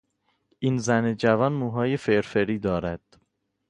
این زن جوان موهای فرفری دارد.